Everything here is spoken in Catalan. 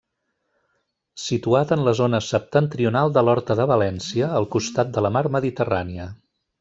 Situat en la zona septentrional de l'Horta de València, al costat de la mar Mediterrània.